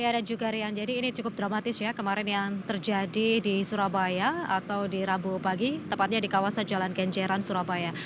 ya dan juga rian jadi ini cukup dramatis ya kemarin yang terjadi di surabaya atau di rabu pagi tepatnya di kawasan jalan kenjeran surabaya